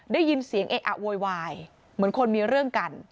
ได้ยินเสียงเอะอะโวยวายเหมือนคนมีเรื่องกัน